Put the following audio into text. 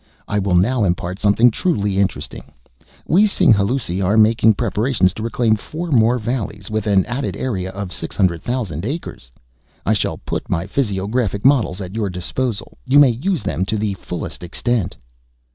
"I will now impart something truly interesting. We Singhalûsi are making preparations to reclaim four more valleys, with an added area of six hundred thousand acres! I shall put my physiographic models at your disposal; you may use them to the fullest extent!"